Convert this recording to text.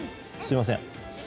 すいません。